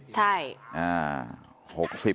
ใช่